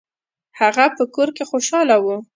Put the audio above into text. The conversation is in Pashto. هغه په کور کې خوشحاله و.